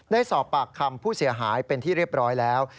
ได้สอบปากคำผู้เสียหายเป็นที่เรียบร้อยแล้ว